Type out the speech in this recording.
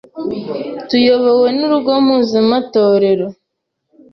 tuyobowe n’urugo mpuzemetorero,